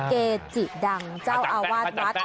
เกจิดังเจ้าอาวาสวัด